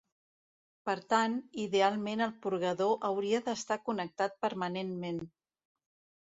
Per tant, idealment el purgador hauria d'estar connectat permanentment.